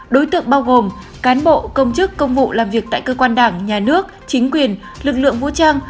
đối tượng bao gồm cán bộ công chức công vụ làm việc tại cơ quan đảng nhà nước chính quyền lực lượng vũ trang